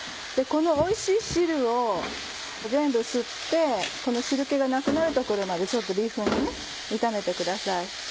このおいしい汁を全部吸ってこの汁気がなくなるところまでビーフンをね炒めてください。